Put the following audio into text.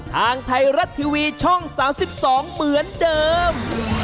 ทางไทยรัฐทีวีช่อง๓๒เหมือนเดิม